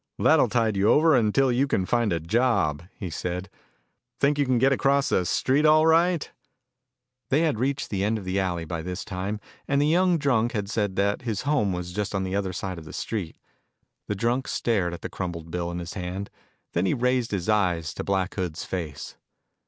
"That'll tide you over until you can find a job," he said. "Think you can get across the street all right?" They had reached the end of the alley by this time, and the young drunk had said that his home was just on the other side of the street. The drunk stared at the crumpled bill in his hand. Then he raised his eyes to Black Hood's face.